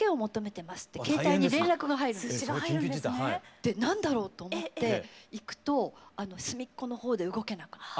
で何だろう？と思って行くと隅っこの方で動けなくなってる。